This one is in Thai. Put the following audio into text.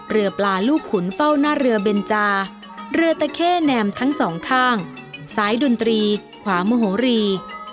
เรือปลาลูกขุนเฝ้าหน้าเรือเบนจาเรือตะเข้แนมทั้งสองข้างซ้ายดนตรีขวามโหรี